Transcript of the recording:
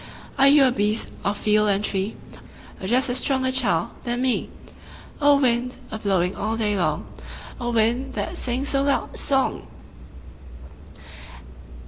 Are you a beast of field and tree, Or just a stronger child than me? O wind, a blowing all day long, O wind, that sings so loud a song!